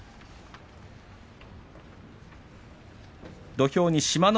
土俵に志摩ノ